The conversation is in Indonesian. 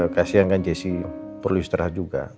kasian kan jessi perlu istirahat juga